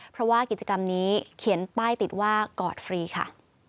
เพราะว่ากิจกรรมนี้เขียนป้ายติดว่ากอดฟรีค่ะ